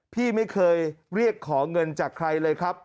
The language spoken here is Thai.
พี่ไม่เคยเรียกขอเงินจากใครเลยครับ